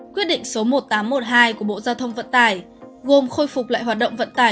quyết định số một nghìn tám trăm một mươi hai của bộ giao thông vận tải gồm khôi phục lại hoạt động vận tải